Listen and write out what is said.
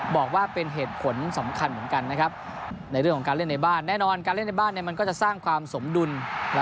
บอกว่าเป็นเหตุผลสำคัญเหมือนกันนะครับ